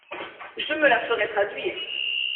Je me la ferai traduire…